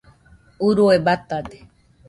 urue batade